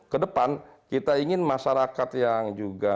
kedepan kita ingin masyarakat yang juga